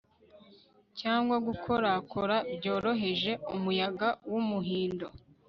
cyangwa gukorakora byoroheje umuyaga wumuhindo